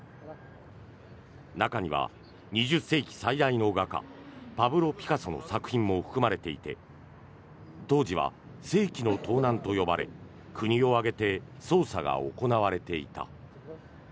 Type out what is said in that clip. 中には２０世紀最大の画家パブロ・ピカソの作品も含まれていて当時は世紀の盗難と呼ばれ国を挙げて捜査が行われていた。